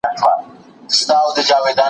که تاریخ په سمه توګه ولولې حقیقت به وپیژنې.